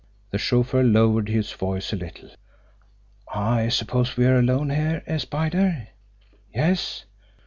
The chauffeur lowered his voice a little. "I suppose we're alone here, eh, Spider? Yes?